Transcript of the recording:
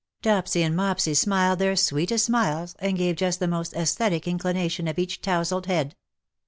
''' Dopsy and Mopsy smiled their sweetest smiles, and gave just the most aesthetic inclination of each towzled head.